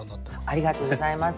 ありがとうございます。